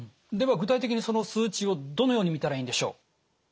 具体的にその数値をどのように見たらいいんでしょう？